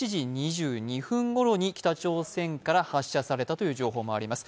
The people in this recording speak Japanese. ７時２２分ごろに北朝鮮から発射されたという情報もあります。